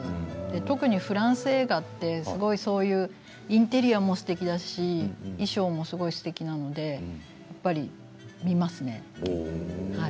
特にフランス映画ってインテリアも、すてきだし衣装もすごくすてきなのでやっぱり見ますね。